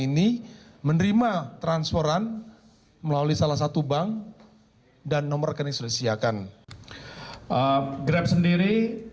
ini menerima transferan melalui salah satu bank dan nomor rekening sudah disediakan grab sendiri